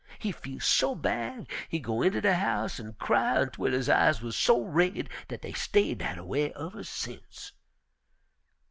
He feel so bad he go inter de house an' cry ontwel his eyes wuz so raid dat dey stayed dat a way uver sence.